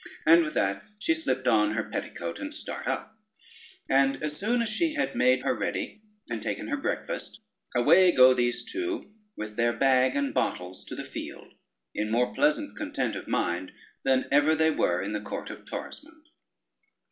And with that she slipped on her petticoat, and start up; and as soon as she had made her ready, and taken her breakfast, away go these two with their bag and bottles to the field, in more pleasant content of mind than ever they were in the court of Torismond.